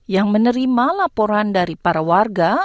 yang menerima laporan dari para warga